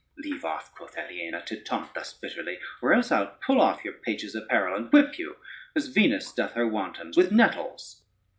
"Leave off," quoth Aliena, "to taunt thus bitterly, or else I'll pull off your page's apparel, and whip you, as Venus doth her wantons, with nettles."